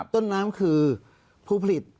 ต้นน้ำคือผู้ผลิต